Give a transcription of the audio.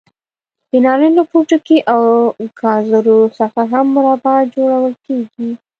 د نارنج له پوټکي او ګازرو څخه هم مربا جوړول کېږي.